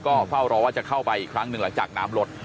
ก็เฝ้ารอว่าจะเข้าไปอีกครั้งหนึ่งหลังจากน้ำลด